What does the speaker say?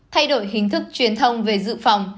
thay đổi hình thức truyền thông về dự phòng